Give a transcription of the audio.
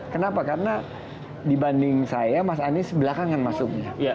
kenapa karena dibanding saya mas anies belakangan masuknya